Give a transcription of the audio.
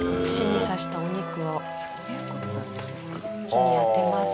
串に刺したお肉を火に当てます。